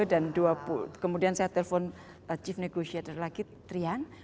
dan kemudian saya telpon chief negotiator lagi trian